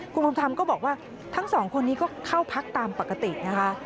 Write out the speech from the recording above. คุณบุญธรรมก็บอกว่าทั้งสองคนนี้ก็เข้าพักตามปกตินะคะ